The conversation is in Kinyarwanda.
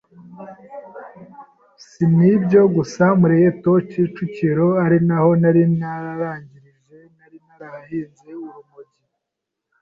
sinibyo gusa muri Eto Kicukuiro arinaho narangirije nari narahinze urumog